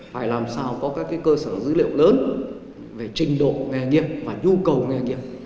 phải làm sao có các cơ sở dữ liệu lớn về trình độ nghề nghiệp và nhu cầu nghề nghiệp